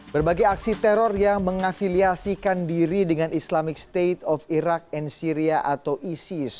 berbagai aksi teror yang mengafiliasikan diri dengan islamic state of iraq and syria atau isis